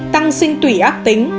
tăng sinh tủy ác tính